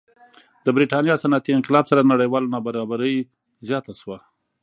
د برېټانیا صنعتي انقلاب سره نړیواله نابرابري زیاته شوه.